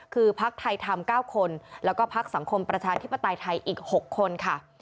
คือพักไทยทำ๙คนแล้วก็พักสังคมประชาธิปไตยไทยอีก๖คนค่ะ